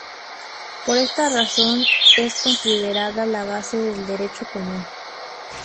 Por esta razón es considerada la base del derecho común.